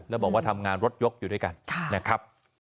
แล้วบอกว่าทำงานรถยกอยู่ด้วยกันนะครับ